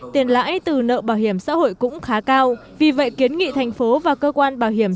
tiền lãi từ nợ bảo hiểm xã hội cũng khá cao vì vậy kiến nghị thành phố và cơ quan bảo hiểm